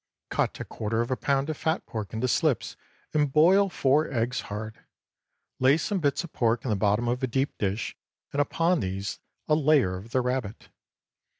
Cut a quarter of a pound of fat pork into slips, and boil four eggs hard. Lay some bits of pork in the bottom of a deep dish and upon these a layer of the rabbit.